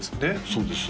そうです